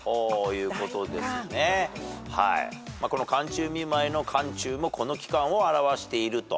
「寒中見舞い」の「寒中」もこの期間を表していると。